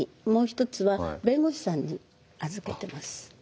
もう一つは弁護士さんに預けてます。